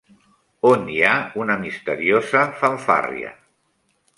On hi ha una misteriosa fanfàrria?